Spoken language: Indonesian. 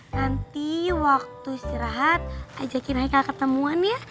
nanti waktu istirahat ajakin aika ketemuan ya